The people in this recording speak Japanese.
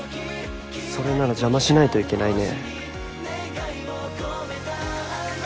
それなら邪魔しないといけないね。